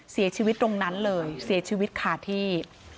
เสียชีวิตตรงนั้นเลยเสียชีวิตขาดที่